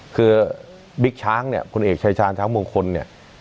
คือบิ๊กช้างเนี่ยพลเอกชายชาญช้างมงคลเนี่ย